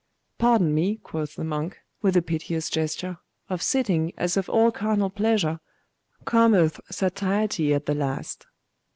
'Pardon me,' quoth the monk, with a piteous gesture; 'of sitting, as of all carnal pleasure, cometh satiety at the last.